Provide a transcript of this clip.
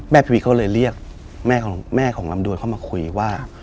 แม่พิวิตเขาเลยเรียกแม่ของลำดวนเข้ามาคุยว่า